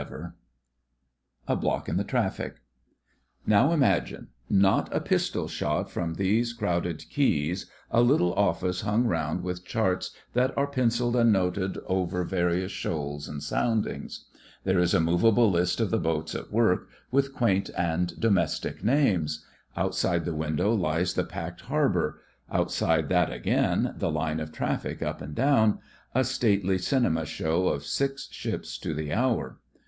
28 THE FRINGES OF THE FLEET A BLOCK IN THE TRAFFIC Now imagine, not a pistol shot from these crowded quays, a little Office hung round with charts that are pencilled and noted over various shoals and soundings. There is a movable list of the boats at work, with quaint and domestic names. Outside the window lies the packed harbour — outside that again the line of traffic up and down — a stately cinema show of six ships to the hour.